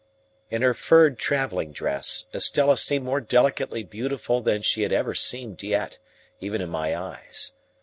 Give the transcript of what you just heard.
In her furred travelling dress, Estella seemed more delicately beautiful than she had ever seemed yet, even in my eyes.